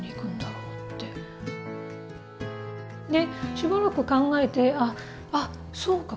しばらく考えて「あっそうか！